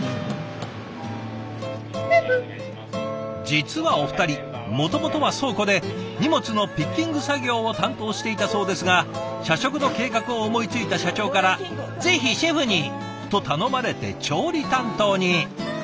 実はお二人もともとは倉庫で荷物のピッキング作業を担当していたそうですが社食の計画を思いついた社長から「ぜひシェフに！」と頼まれて調理担当に。